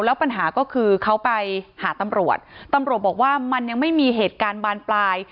แล้วปัญหาก็คือเขาไปหาตำรวจตำรวจบอกว่ามันยังไม่มีเหตุการณ์บานปลาย